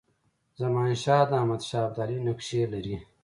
زمانشاه د احمدشاه ابدالي نقشې لري.